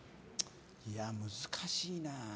いや、難しいな。